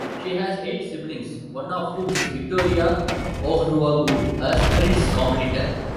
She has eight siblings, one of whom is Victoria Ohuruogu, a sprints competitor.